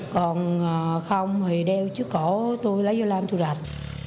còn không thì đeo chứa cổ tôi lấy vô làm tôi rạch